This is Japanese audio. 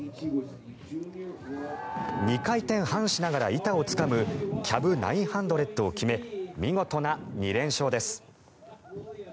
２回転半しながら板をつかむキャブ９００を決め見事な２連勝です。